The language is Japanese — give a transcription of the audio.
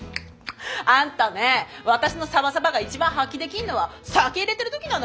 あんたね私のサバサバが一番発揮できるのは酒入れてる時なのよ。